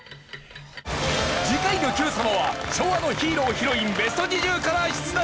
次回の『Ｑさま！！』は昭和のヒーロー＆ヒロインＢＥＳＴ２０から出題。